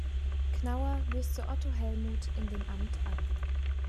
Knauer löste Otto Hellmuth in dem Amt ab.